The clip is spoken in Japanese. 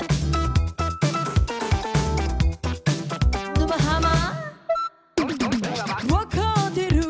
「沼ハマ」。